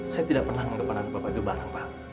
saya tidak pernah menganggap bapak itu barang pak